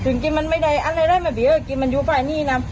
ถึงกิมมันไม่ได้อันไงเลยมันเบี้ยกิมมันอยู่ค่ะไหนนี่นำ